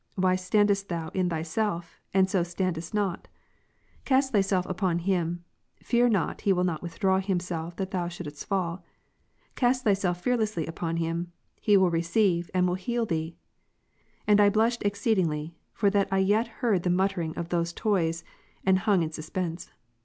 Why standest thou in thyself, and so standest not ? Cast thyself upon Him, fear not He will not withdraw Himself that thou shouldestfall; cast thyself fearlessly upon Him, He will receive, and will heal thee." And I blushed exceedingly, for that I yet heard the muttering of those toys, and hung in suspense.